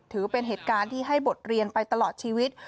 ถือเป็นเหตุการณ์ที่ให้บทเรียนไปตลอดชีวิต